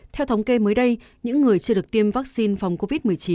theo thống kê mới đây những người chưa được tiêm vaccine phòng covid một mươi chín